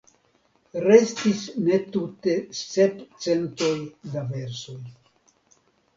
Restis ne tute sep centoj da versoj.